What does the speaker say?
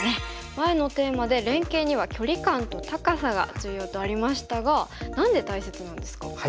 前のテーマで連携には距離感と高さが重要とありましたが何で大切なんですか？